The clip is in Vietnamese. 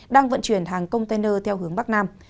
đang vận chuyển hàng container theo hướng bắc nam